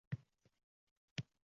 Asirlarga tushgan